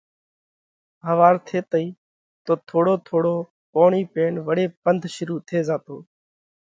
ۿوَار ٿيتئِي تو ٿوڙو ٿوڙو پوڻِي پينَ وۯي پنڌ شرُوع ٿي زاتو۔